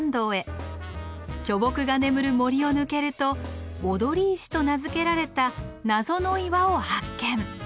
巨木が眠る森を抜けると踊石と名付けられた謎の岩を発見。